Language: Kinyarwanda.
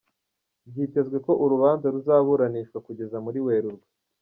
Byitezwe ko urubanza ruzaburanishwa kugeza muri Werurwe.